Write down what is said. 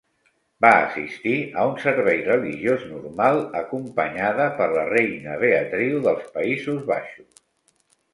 Va assistir a un servei religiós normal, acompanyada per la Reina Beatriu dels Països Baixos.